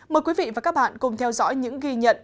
mời quý vị và các bạn cùng theo dõi những ghi nhận